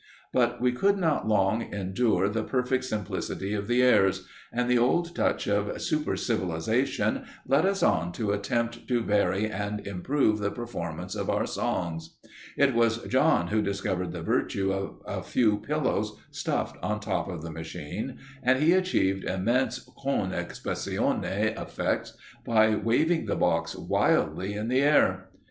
But we could not long endure the perfect simplicity of the airs, and the old touch of supercivilization led us on to attempt to vary and improve the performance of our songs. It was John who discovered the virtue of a few pillows stuffed on top of the machine, and he achieved immense con expressione effects by waving the box wildly in the air.